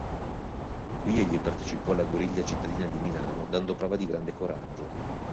Qui egli partecipò alla guerriglia cittadina di Milano, dando prova di grande coraggio.